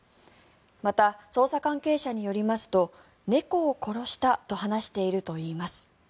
また、捜査関係者によりますと猫を殺したと話しているといいます。